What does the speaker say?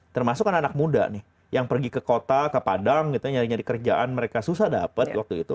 termasuk anak muda nih yang pergi ke kota ke padang gitu nyari nyari kerjaan mereka susah dapat waktu itu